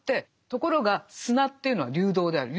ところが砂というのは流動である。